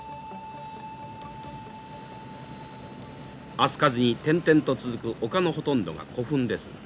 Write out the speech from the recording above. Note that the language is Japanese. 明日香路に点々と続く丘のほとんどが古墳です。